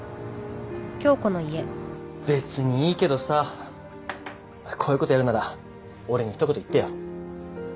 べつにいいけどさこういうことやるなら俺にひと言言ってよ。